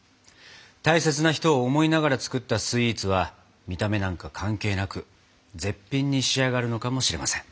大切な人を思いながら作ったスイーツは見た目なんか関係なく絶品に仕上がるのかもしれません。